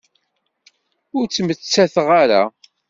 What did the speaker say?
Ur ttmettateɣ ara.